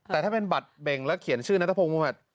แต่ถ้าเป็นบัตรเบงแล้วเขียนชื่อนัตภพมุหมาตร